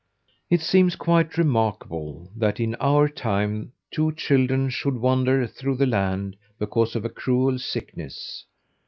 It seems quite remarkable that in our time two children should wander through the land because of a cruel sickness.